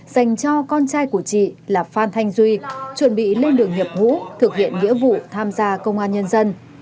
dành cho con trai của chị là phan thanh duy chuẩn bị lên đường nhập ngũ thực hiện nghĩa vụ tham gia công an nhân dân